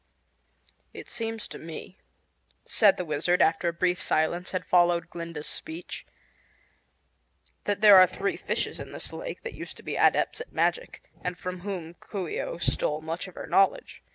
"It seems to me," said the Wizard after a brief silence had followed Glinda's speech, "that there are three fishes in this lake that used to be Adepts at Magic and from whom Coo ee oh stole much of her knowledge.